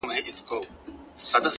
د نورو مرسته انسان بډای کوي